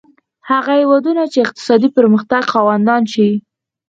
هغه هېوادونه چې اقتصادي پرمختګ خاوندان شي.